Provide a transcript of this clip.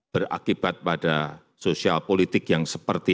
berakibat pada sosial politik yang seperti